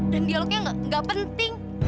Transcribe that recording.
dan dialognya gak penting